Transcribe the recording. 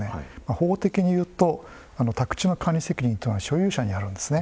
法的にいうと宅地の管理責任は所有者にあるんですね。